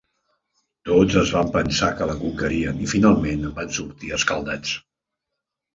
Tots es van pensar que la conquerien i finalment en van sortir escaldats.